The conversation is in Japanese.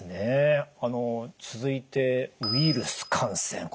あの続いてウイルス感染。